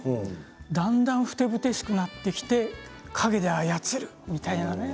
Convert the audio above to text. だんだんふてぶてしくなってきて陰で操るみたいなね。